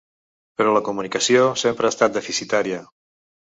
Però la comunicació sempre ha estat deficitària.